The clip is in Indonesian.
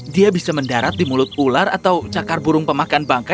dia bisa mendarat di mulut ular atau cakar burung pemakan bangka